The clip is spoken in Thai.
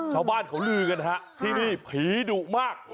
ชาวบ้านเขาลือกันฮะที่นี่ผีดุมาก